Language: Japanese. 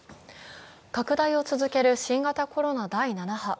拡大を続ける新型コロナ第７波。